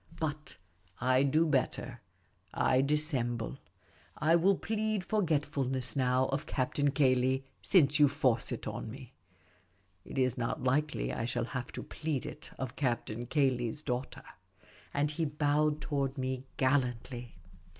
But I do better ; I dissemble. I will plead forgetfuluess now of Captain Cayley, since you force it on me. It is not likely I shall have to plead it of Captain Cayley's daughter." And he bowed toward me gallantly.